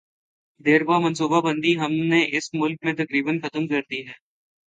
دیرپا منصوبہ بندی ہم نے اس ملک میں تقریبا ختم کر دی ہے۔